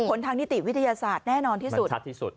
ผลทางนิติวิทยาศาสตร์แน่นอนที่สุด